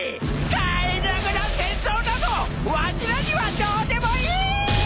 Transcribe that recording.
海賊の戦争などわしらにはどうでもいい！